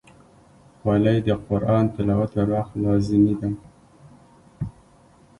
خولۍ د قرآن تلاوت پر وخت لازمي ده.